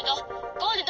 ゴールド！